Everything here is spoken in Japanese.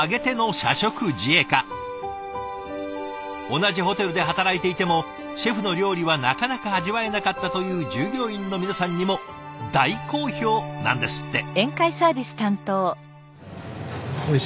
同じホテルで働いていてもシェフの料理はなかなか味わえなかったという従業員の皆さんにも大好評なんですって。